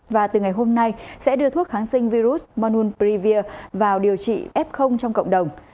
và từ ngày hôm nay sẽ đưa thuốc kháng sinh virus monunprevia vào điều trị f trong cộng đồng